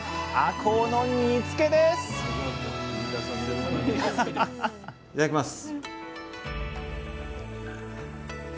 こうの煮つけですいただきます。